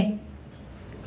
tp bến tre